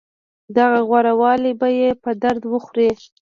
دغه غوره والی به يې په درد وخوري.